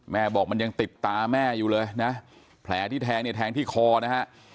บอกมันยังติดตาแม่อยู่เลยนะแผลที่แทงเนี่ยแทงที่คอนะฮะ